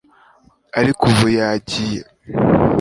ariko ubu yagiye